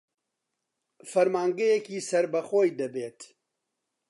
فەرمانگەیەکی سەر بە خۆی بێت